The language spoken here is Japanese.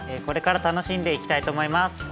これから楽しんでいきたいと思います！